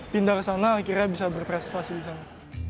pindah ke sana akhirnya bisa berprestasi di sana